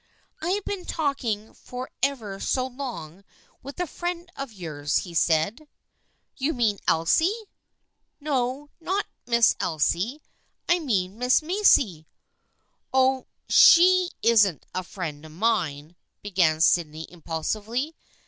" I have been talking for ever so long with a friend of yours," said he. " You mean Elsie ?"" No, not Miss Elsie. I mean Miss Macy." " Oh, she isn't a friend of mine !" began Sydney impulsively.